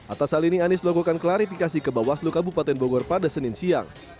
atas hal ini anies melakukan klarifikasi ke bawaslu kabupaten bogor pada senin siang